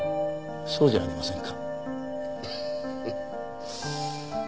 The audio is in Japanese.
そうじゃありませんか？